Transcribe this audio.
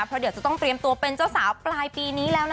เพราะเดี๋ยวจะต้องเตรียมตัวเป็นเจ้าสาวปลายปีนี้แล้วนะ